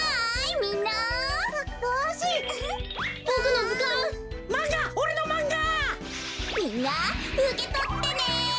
みんなうけとってね！